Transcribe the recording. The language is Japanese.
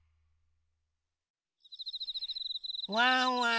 ・ワンワン